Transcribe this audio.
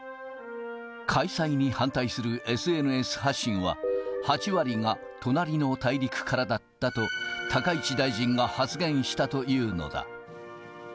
開催に反対するＳＮＳ発信は、８割が隣の大陸からだったと、高市大臣が発言したというのだ。